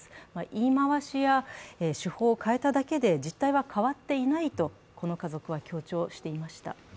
言い回しや手法を変えただけで実態は変わっていないと、この家族は強調していました。